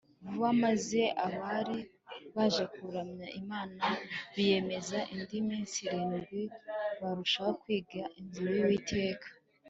vuba, maze abari baje kuramya imana biyemeza indi minsi irindwi barushaho kwiga inzira y'uwiteka